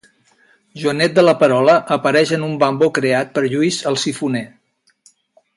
Joanet de la Perola apareix en un mambo creat per Lluís el Sifoner.